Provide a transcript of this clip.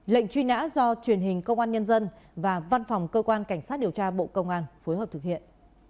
lệnh truy nã do truyền hình công an nhân dân và văn phòng cơ quan cảnh sát điều tra bộ công an phối hợp thực hiện